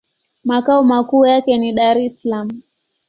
Makao makuu yake ni Dar-es-Salaam.